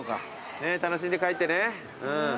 ねっ楽しんで帰ってね。